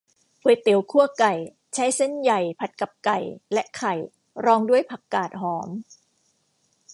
ก๋วยเตี๋ยวคั่วไก่ ใช้เส้นใหญ่ ผัดกับไก่และไข่ รองด้วยผักกาดหอม